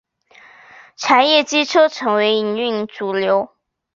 柴液机车成为营运主流。